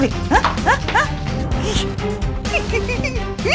hah hah hah